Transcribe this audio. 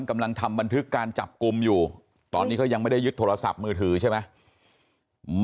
กำลังทำบันทึกการจับกลุ่มอยู่ตอนนี้เขายังไม่ได้ยึดโทรศัพท์มือถือใช่ไหม